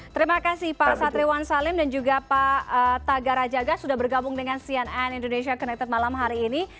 terima kasih pak satriwan salim dan juga pak taga rajaga sudah bergabung dengan cnn indonesia connected malam hari ini